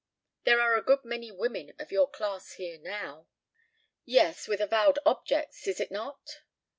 "There are a good many women of your class here now." "Yes, with avowed objects, is it not?